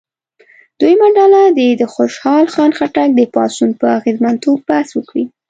دویمه ډله دې د خوشحال خان خټک د پاڅون په اغېزمنتوب بحث وکړي.